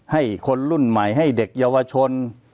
ให้คนรุ่นใหม่ให้เด็กเยาวชน